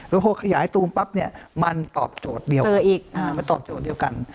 แล้วพอขยายตูมปั๊บเนี่ยมันตอบโจทย์เดียวกัน